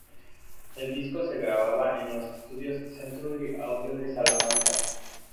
El disco se graba en los Estudios Century Audio de Salamanca.